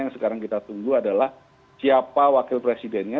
yang sekarang kita tunggu adalah siapa wakil presidennya